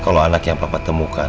kalau anak yang bapak temukan